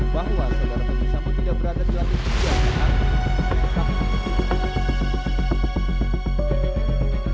bahwa saudara bapak sampo tidak berada di lantai dia dan tidak di saksi diri